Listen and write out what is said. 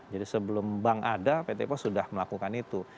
jadi sebelum bank ada pt post sudah melakukan itu